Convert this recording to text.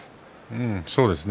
そうですね。